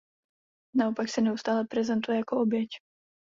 Naopak se neustále prezentuje jako oběť.